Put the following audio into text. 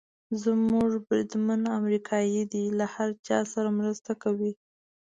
زموږ بریدمن امریکایي دی، له هر چا سره مرسته کوي.